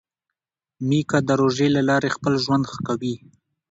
میکا د روژې له لارې خپل ژوند ښه کوي.